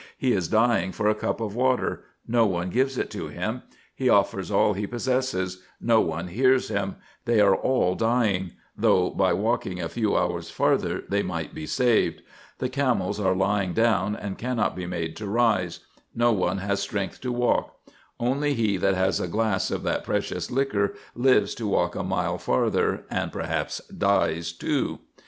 He is dying for a cup of water — no one gives it to him — he offers all he possesses — no one hears him — they are all dying — though by walking a few hours farther they might be saved, — the camels are lying down, and cannot be made to rise — no one has strength to walk — only he that has a glass of that precious liquor lives to walk a mile farther, and perhaps dies too.